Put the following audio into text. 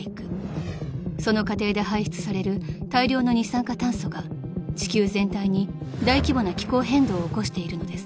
［その過程で排出される大量の二酸化炭素が地球全体に大規模な気候変動を起こしているのです］